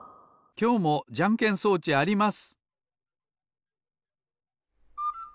きょうもじゃんけん装置あります。